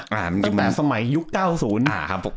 ตั้งแต่สมัยยุค๙๐